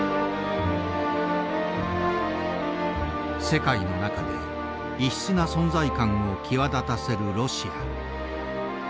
世界の中で異質な存在感を際立たせるロシア。